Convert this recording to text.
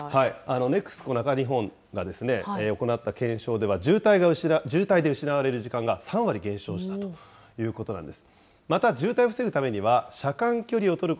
これでどれくらい効果あるんＮＥＸＣＯ中日本が行った検証では、渋滞で失われる時間が３割減少したということなんです。